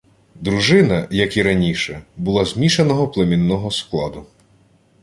Дружина, як і раніше, була змішаного племінного складу